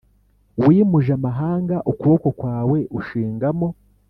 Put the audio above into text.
Wimuje amahanga ukuboko kwawe ushingamo